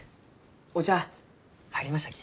お茶入りましたき。